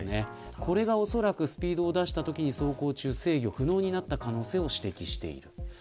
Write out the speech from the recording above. これがおそらくスピードを出したときに走行中に制御不能になった可能性があると指摘しています。